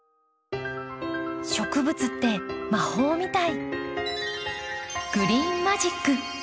植物って魔法みたい。